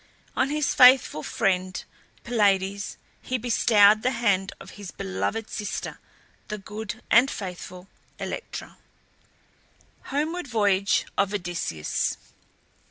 On his faithful friend Pylades he bestowed the hand of his beloved sister, the good and faithful Electra. HOMEWARD VOYAGE OF ODYSSEUS.